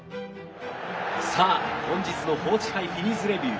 さあ本日の報知杯フィリーズレビュー。